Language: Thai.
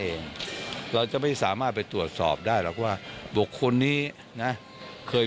เราจะไม่สามารถไปตรวจสอบได้หรอกว่าบุคคลนี้นะเคย